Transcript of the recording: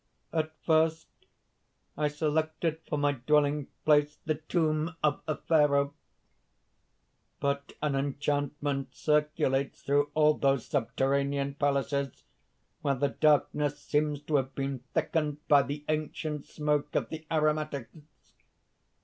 "At first, I selected for my dwelling place, the tomb of a Pharaoh. But an enchantment circulates through all those subterranean palaces, where the darkness seems to have been thickened by the ancient smoke of the aromatics.